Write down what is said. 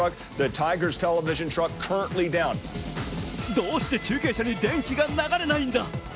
どうして中継車に電気が流れないんだ。